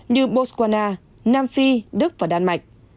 như botswana nam phi đức và đan mạch